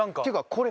これ？